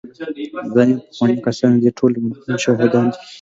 ځینې پخواني کسان د دې ټولو بدلونونو شاهدان دي.